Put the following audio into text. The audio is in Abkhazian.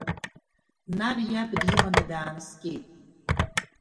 Нар иаб диманы даанаскьеит.